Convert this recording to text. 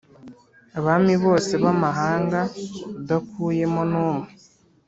Abami bose b’amahanga, udakuyemo n’umwe,